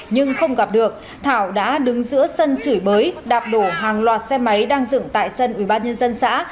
nhưng không gặp được thảo đã đứng giữa sân chửi bới đạp đổ hàng loạt xe máy đang dựng tại sân ubnd xã